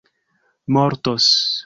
mortos